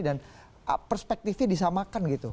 dan perspektifnya disamakan gitu